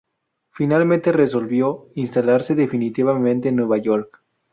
Finalmente, resolvió instalarse definitivamente en Nueva York.